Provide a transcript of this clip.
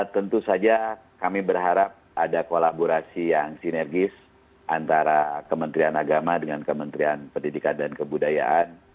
tentu saja kami berharap ada kolaborasi yang sinergis antara kementerian agama dengan kementerian pendidikan dan kebudayaan